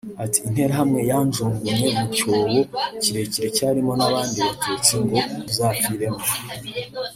Ati “Interahamwe yanjugunye mu cyobo kirekire cyarimo n’abandi Batutsi ngo tuzapfiremo